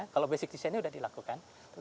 kalau basic designnya sudah dilakukan